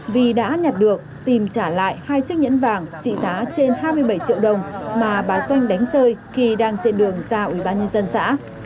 vì đã nhặt được tìm trả lại hai chiếc nhẫn vàng trị giá trên hai mươi bảy triệu đồng mà bà doanh đánh rơi khi đang trên đường ra ủy ban nhân dân xã